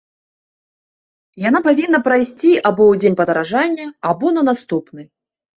Яна павінна прайсці або ў дзень падаражання, або на наступны.